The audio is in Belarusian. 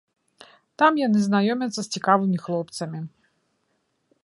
Там яны знаёмяцца з цікавымі хлопцамі.